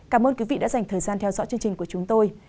cảm ơn quý vị đã dành thời gian theo dõi chương trình của chúng tôi